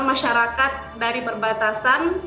masyarakat dari perbatasan